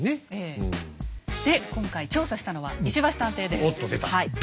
で今回調査したのは石橋探偵です。